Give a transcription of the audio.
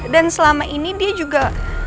dan selama ini dia juga